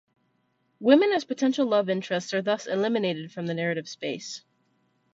Women as potential love interests are thus eliminated from the narrative space.